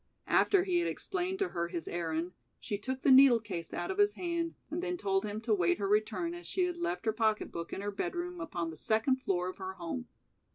After he had explained to her his errand, she took the needle case out of his hand and then told him to await her return as she had left her pocket book in her bed room upon the second floor of her home.